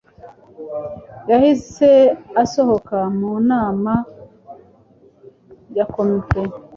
Yahise asohoka mu nama ya komite.